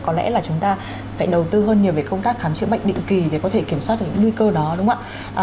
có lẽ là chúng ta phải đầu tư hơn nhiều về công tác khám chữa bệnh định kỳ để có thể kiểm soát được những nguy cơ đó đúng không ạ